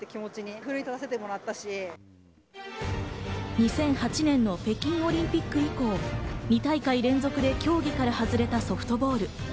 ２００８年の北京オリンピック以降、２大会連続で競技から外れたソフトボール。